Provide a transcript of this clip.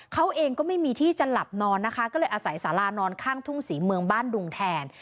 เขาเองก็ไม่มีที่จะหลับนอนนะคะก็เลยอาศัยสารานอนข้างทุ่งศรีเมืองบ้านดุงแทน